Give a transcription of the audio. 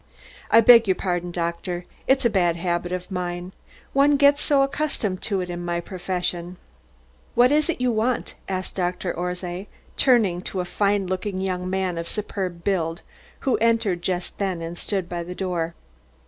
"I beg your pardon, doctor, it's a bad habit of mine. One gets so accustomed to it in my profession." "What is it you want?" asked Doctor Orszay, turning to a fine looking young man of superb build, who entered just then and stood by the door.